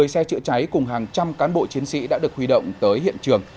một mươi xe chữa cháy cùng hàng trăm cán bộ chiến sĩ đã được huy động tới hiện trường